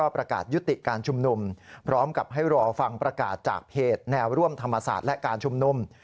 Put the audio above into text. พร้อมกับให้รอฟังประกาศจากเพจแนวร่วมธรรมศาสตร์และการชุมนุม